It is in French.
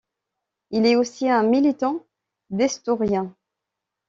Il est aussi un militant destourien.